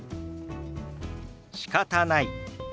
「しかたない」。